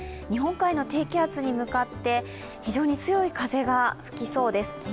日本海の低気圧に向かって非常に強い風が吹きそうです。